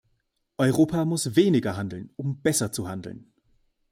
Europa muss weniger handeln, um besser zu handeln.